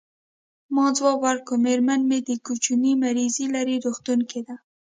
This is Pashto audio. ما ځواب ورکړ: میرمن مې د کوچني مریضي لري، روغتون کې ده.